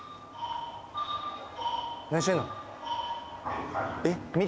何してんの？